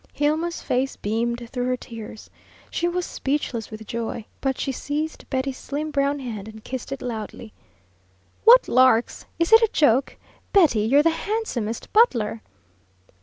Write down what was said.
Hilma's face beamed through her tears. She was speechless with joy, but she seized Betty's slim brown hand and kissed it loudly. "What larks!" "Is it a joke?" "Betty, you're the handsomest butler!"